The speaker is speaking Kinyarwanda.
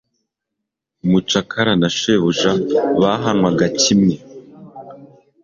umucakara na shebuja bahanwaga kimwe